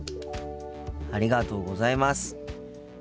ありがとうございます。